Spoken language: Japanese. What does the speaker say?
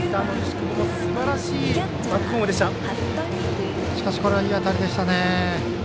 これはいい当たりでしたね。